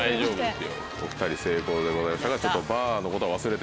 お２人成功でございます。